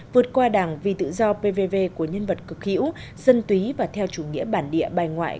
vượt qua đảng vì tự do pv của nhân vật cực hữu dân túy và theo chủ nghĩa bản địa bài ngoại